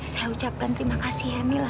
saya ucapkan terima kasih ya mila